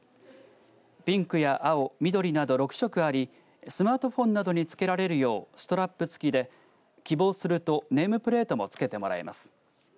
ピンクや青、緑など６色ありスマートフォンなどにつけられるようストラップ付きで希望するとネームプレートもつけてもらえます。